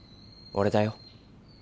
俺だよ。